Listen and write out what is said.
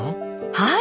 はい！